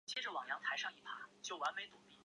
加速青春痘或香港脚的治愈。